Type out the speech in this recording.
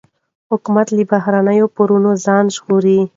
حکومت له بهرنیو پورونو ځان ژغوري.